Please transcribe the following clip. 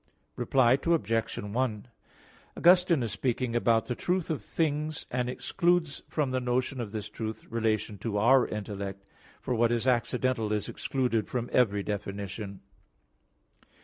Reply Obj. 1: Augustine is speaking about the truth of things, and excludes from the notion of this truth, relation to our intellect; for what is accidental is excluded from every definition.